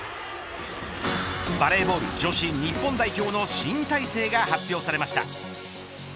バレーボール女子日本代表の新体制が発表されました。